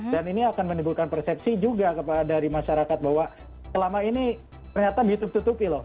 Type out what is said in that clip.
dan ini akan menimbulkan persepsi juga kepada masyarakat bahwa selama ini ternyata ditutup tutupi loh